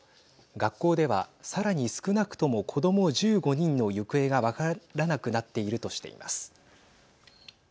学校では、さらに少なくとも子ども１５人の行方が分からなくなっているとしています。